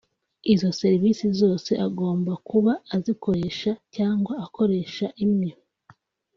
izo serivise zose agomba kuba azikoresha cyangwa akoresha imwe